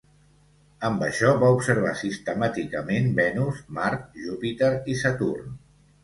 Amb això va observar sistemàticament Venus, Mart, Júpiter i Saturn.